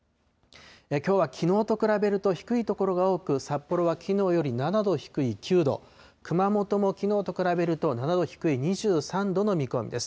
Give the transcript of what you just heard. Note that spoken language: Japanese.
きょうはきのうと比べると低い所が多く、札幌はきのうより７度低い９度、熊本もきのうと比べると７度低い２３度の見込みです。